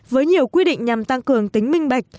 với nhiều quy định nhằm tăng cường tính minh bạch